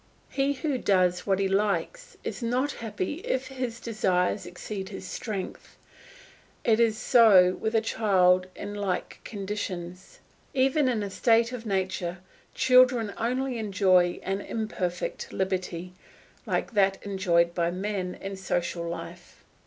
He who does what he likes is not happy if his desires exceed his strength; it is so with a child in like conditions. Even in a state of nature children only enjoy an imperfect liberty, like that enjoyed by men in social life.